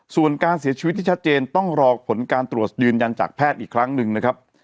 ส่วนการเสียชีวิตที่ชัดเจนต้องรอผลการตรวจยืนยันจากแพทย์อีกครั้งหนึ่งนะครับ